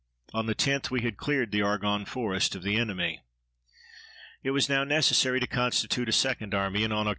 On the 10th we had cleared the Argonne Forest of the enemy. It was now necessary to constitute a second army, and on Oct.